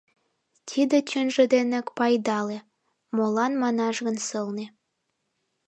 Тиде чынже денак пайдале, молан манаш гын сылне».